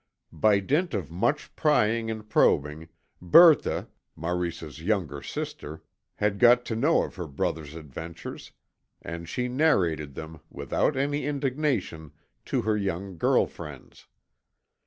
By dint of much prying and probing, Berthe, Maurice's younger sister, had got to know of her brother's adventures, and she narrated them, without any indignation, to her young girl friends.